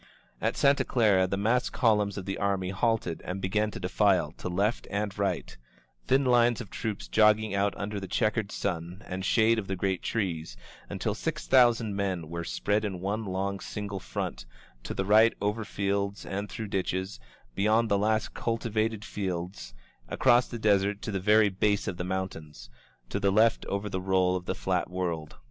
..• At Santa Clara the massed columns of the army halted and began to defile to left and right, thin lines of troops jogging out under the checkered sun and shade of the great trees, until six thousand men were spread in one long single front, to the right over fields and through ditches, beyond the last cultivated field, SOS AT THE GATES OF GOMEZ across the desert to the very base of the mountains; to the left over the roll of the flat world.